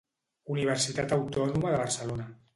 Universitat Autònoma de Barcelona.